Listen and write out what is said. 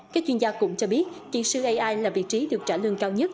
các chuyên gia cũng cho biết kỹ sư ai là vị trí được trả lương cao nhất